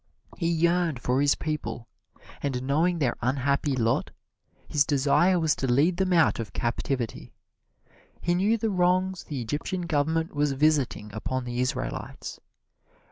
He yearned for his people, and knowing their unhappy lot, his desire was to lead them out of captivity. He knew the wrongs the Egyptian government was visiting upon the Israelites.